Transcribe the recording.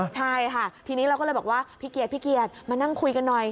ใช่ค่ะทีนี้เราก็เลยบอกว่าพี่เกียจพี่เกียรติมานั่งคุยกันหน่อย